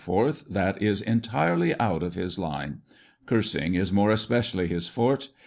that is entirely out of his line. Cursing is more especially his forte.